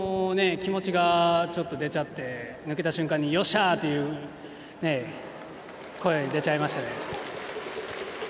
気持ちがちょっと出ちゃって抜けた瞬間に「よっしゃ！」って声が出ちゃいましたね。